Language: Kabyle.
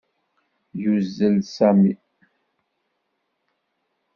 Yuzzel Sami.